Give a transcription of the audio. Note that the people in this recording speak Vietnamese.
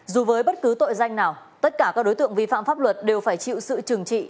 dù với bất cứ tội danh nào tất cả các đối tượng vi phạm pháp luật đều phải chịu sự trừng trị